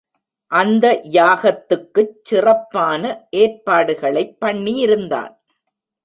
அந்த யாகத்துக்குச் சிறப்பான ஏற்பாடுகளைப் பண்ணியிருந்தான்.